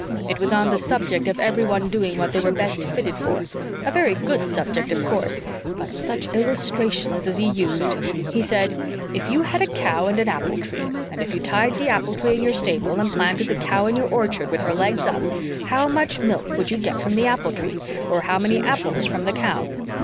It was on the subject of everyone doing what they were best fitted for a very good subject, of course; but such illustrations as he used! He said, 'If you had a cow and an apple tree, and if you tied the apple tree in your stable and planted the cow in your orchard, with her legs up, how much milk would you get from the apple tree, or how many apples from the cow?'